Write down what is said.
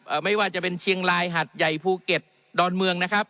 ไม่ว่าจะเป็นเชียงรายหัดใหญ่ภูเก็ตดอนเมืองนะครับ